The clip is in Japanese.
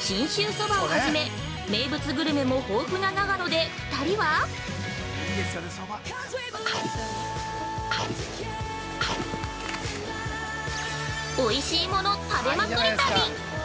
信州そばをはじめ、名物グルメも豊富な長野で２人はおいしいもの食べまくり旅！